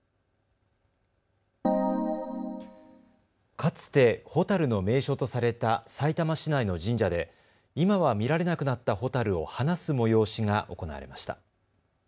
かつてホタルの名所とされたさいたま市内の神社で今は見られなくなったホタルを放す催しが行われました。